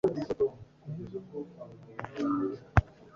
amaze gutsinda imikino yose, yabonye izina rya nyampinga